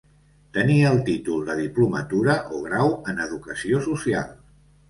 Tenir el títol de diplomatura o grau en educació social.